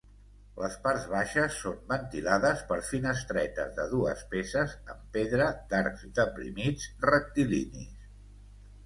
Les parts baixes són ventilades per finestretes de dues peces en pedra d'arcs deprimits rectilinis.